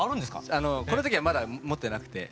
この時はまだ持ってなくてはい。